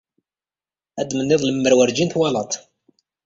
Ad menniḍ lemmer werjin twalaḍ-t.